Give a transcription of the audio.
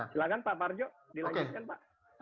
silahkan pak parjo dilanjutkan pak